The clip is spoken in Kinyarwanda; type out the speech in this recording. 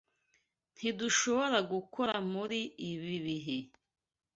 Ntidushobora gukora muri ibi bihe.